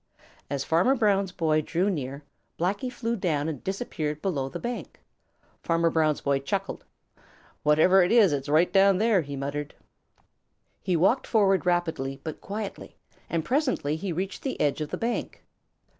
As Farmer Brown's boy drew near, Blacky flew down and disappeared below the bank. Fanner Brown's boy chuckled. "Whatever it is, it is right down there," he muttered. He walked forward rapidly but quietly, and presently he reached the edge of the bank.